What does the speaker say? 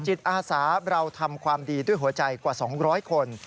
จิตอาสาเราทำความดีด้วยหัวใจกว่า๒๐๐คน